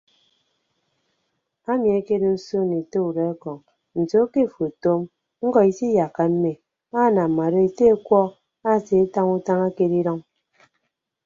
Emi ekedo osoon ete udọekọñ nso ke afo otuum ñkọ isiyakka mme anam ado ete ọkuọk asetañ utañ ekere idʌñ.